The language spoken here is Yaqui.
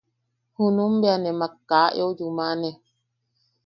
Junum bea nemak kaa eu yumane.